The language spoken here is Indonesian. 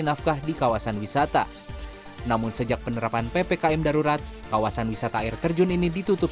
nafkah di kawasan wisata namun sejak penerapan ppkm darurat kawasan wisata air terjun ini ditutup